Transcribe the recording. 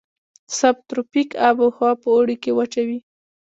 سب تروپیک آب هوا په اوړي کې وچه وي.